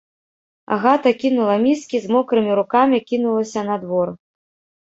Агата кінула міскі, з мокрымі рукамі кінулася на двор.